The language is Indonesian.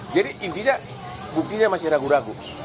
jadi intinya buktinya masih ragu ragu